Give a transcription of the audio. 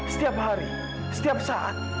setiap hari setiap saat